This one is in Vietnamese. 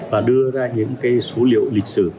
và đưa ra những cái số liệu lịch sử